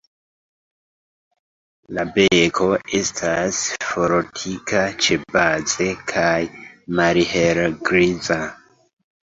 La beko estas fortika ĉebaze kaj malhelgriza.